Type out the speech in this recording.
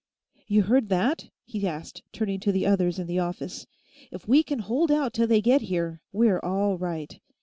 "You heard that?" he asked, turning to the others in the office. "If we can hold out till they get here, we're all right.